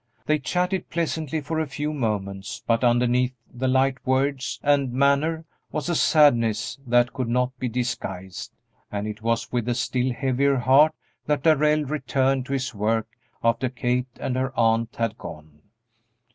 They chatted pleasantly for a few moments, but underneath the light words and manner was a sadness that could not be disguised, and it was with a still heavier heart that Darrell returned to his work after Kate and her aunt had gone.